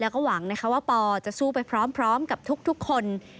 แล้วก็หวังนะคะว่าปอจะสู้ไปพร้อมกับทุกคน